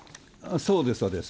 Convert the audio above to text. そうです、そうです。